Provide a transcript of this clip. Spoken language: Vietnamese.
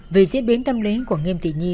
vì diễn biến tâm lý của nhiêm thị nhi